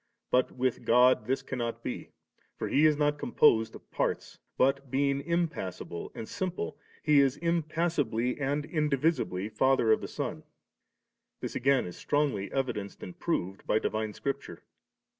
But with God tiiis cannot be ; for He is not composed of parts, but being impassible and simple. He is im passibly and indivisibly Father of the Son. This again is strongly evidenced and proved by divine Scripture.